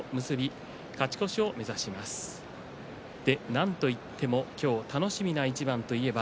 なんといっても今日楽しみな一番といえば